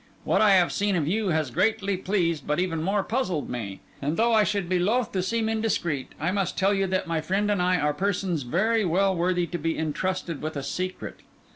What I have seen of you has greatly pleased but even more puzzled me. And though I should be loth to seem indiscreet, I must tell you that my friend and I are persons very well worthy to be entrusted with a secret.